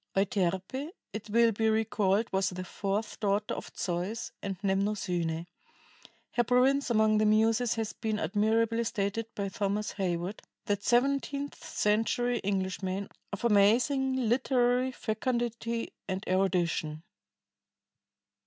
Euterpe, it will be recalled, was the fourth daughter of Zeus and Mnemosyne. Her province among the Muses has been admirably stated by Thomas Heywood, that seventeenth century Englishman of amazing literary fecundity and erudition.